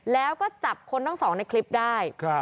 แล้วก็จับคนทั้งสองในคลิปได้